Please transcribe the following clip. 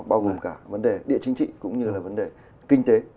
bao gồm cả vấn đề địa chính trị cũng như là vấn đề kinh tế